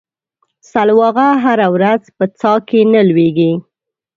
سلواغه هره ورځ په څا کې نه ولېږي.